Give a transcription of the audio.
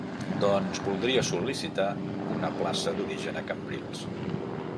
Doncs voldria sol·licitar una plaça d'origen a Cambrils.